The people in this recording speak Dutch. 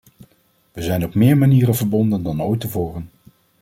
We zijn op meer manieren verbonden dan ooit tevoren.